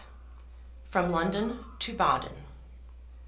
From London to Baden.